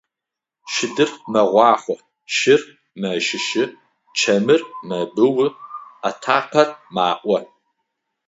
Щыдыр мэгъуахъо, шыр мэщыщы, чэмыр мэбыу, атакъэр маӀо.